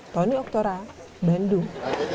tony oktora bandung